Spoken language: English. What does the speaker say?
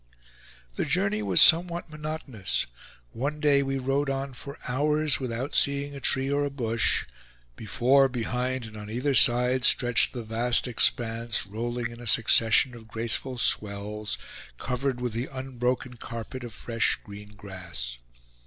The journey was somewhat monotonous. One day we rode on for hours, without seeing a tree or a bush; before, behind, and on either side, stretched the vast expanse, rolling in a succession of graceful swells, covered with the unbroken carpet of fresh green grass.